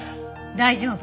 大丈夫。